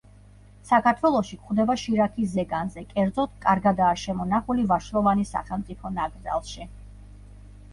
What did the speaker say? საქართველოში გვხვდება შირაქის ზეგანზე, კერძოდ, კარგადაა შემონახული ვაშლოვანის სახელმწიფო ნაკრძალში.